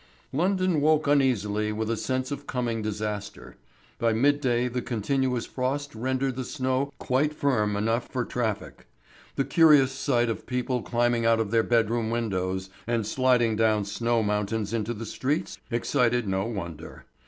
London woke uneasily with a sense of coming disaster. By midday the continuous frost rendered the snow quite firm enough for traffic. The curious sight of people climbing out of their bedroom windows and sliding down snow mountains into the streets excited no wonder.